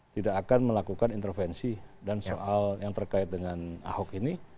tidak akan melakukan intervensi dan soal yang terkait dengan ahok ini